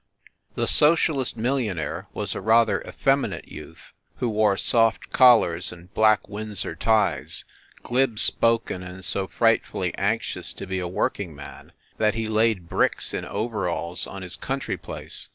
The socialist millionaire was a rather effeminate youth who wore soft collars and black Windsor ties, glib spoken and so frightfully anxious to be a work ing man that he laid bricks in overalls on his coun try place.